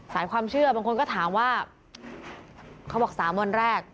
ความเชื่อบางคนก็ถามว่าเขาบอก๓วันแรก